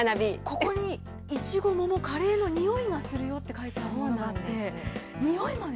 ここに、いちご、もも、カレーの匂いがするよって書いてあるのがあって、匂いまで？